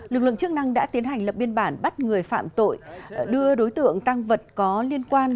lực lượng chức năng đã tiến hành lập biên bản bắt người phạm tội đưa đối tượng tăng vật có liên quan